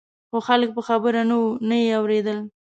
خو خلک په خبره نه وو نه یې اورېدل.